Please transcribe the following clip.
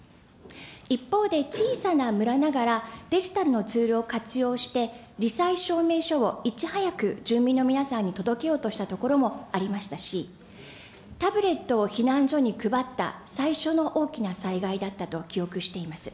一方で小さな村ながら、デジタルのツールを活用して、り災証明書をいち早く住民の皆さんに届けようとした所もありましたし、タブレットを避難所に配った最初の大きな災害だったと記憶しています。